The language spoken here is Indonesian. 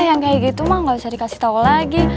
yang kayak gitu mah nggak bisa dikasih tahu lagi